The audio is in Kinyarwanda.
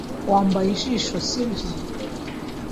Wambaye ijisho, sibyo?